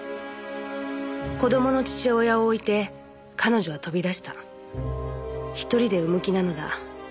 「子供の父親を置いて彼女は飛び出した」「１人で産む気なのだ」